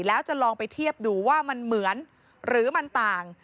แล้วจะลองไปเทียบดูว่ามันเหมือนหรือมันต่าง